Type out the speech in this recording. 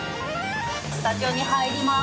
スタジオに入ります。